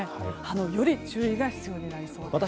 より注意が必要になりそうです。